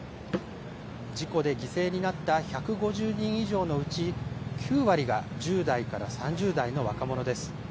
事故で犠牲になった１５０人以上のうち、９割が１０代から３０代の若者です。